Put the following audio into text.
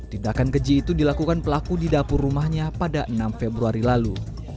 tindakan keji itu dilakukan pelaku di dapur rumahnya pada enam februari lalu